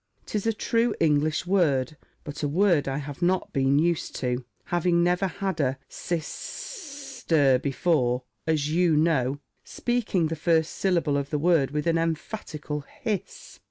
'Tis a true English word, but a word I have not been used to, having never had a sis s s ter before, as you know," Speaking the first syllable of the word with an emphatical hiss.